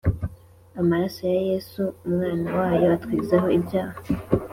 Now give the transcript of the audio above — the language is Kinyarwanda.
Amaraso ya yesu umwana wayo atwezaho ibyaha